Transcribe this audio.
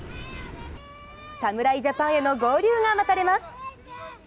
侍ジャパンへの合流が待たれます。